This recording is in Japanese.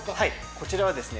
◆こちらはですね